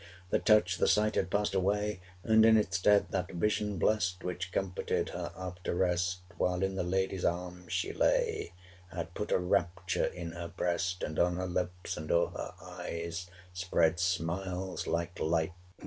The touch, the sight, had passed away, And in its stead that vision blest, Which comforted her after rest 465 While in the lady's arms she lay, Had put a rapture in her breast, And on her lips and o'er her eyes Spread smiles like light!